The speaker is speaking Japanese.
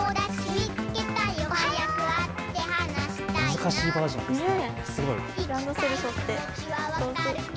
難しいバージョンですね。